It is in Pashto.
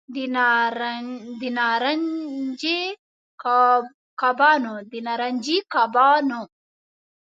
د نارنجي کبانو